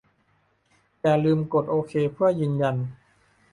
อย่าลืมกดโอเคเพื่อยืนยัน